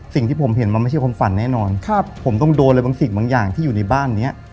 สิ่งที่ผมเห็นมันไม่ใช่ความฝันแน่นอนครับผมต้องโดนอะไรบางสิ่งบางอย่างที่อยู่ในบ้านเนี้ย